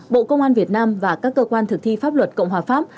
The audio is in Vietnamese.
bộ công an việt nam và các cơ quan thực thi pháp luật cộng hòa pháp